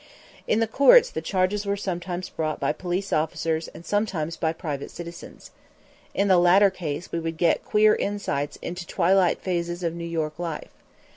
In the courts the charges were sometimes brought by police officers and sometimes by private citizens. In the latter case we would get queer insights into twilight phases of New York life.